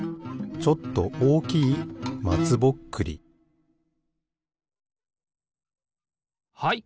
ちょっとおおきいまつぼっくりはい